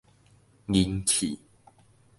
人氣